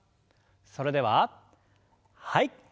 それでははい。